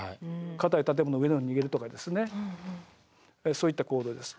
かたい建物の上のほうに逃げるとかそういった行動です。